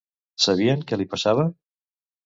Sabien què li passava?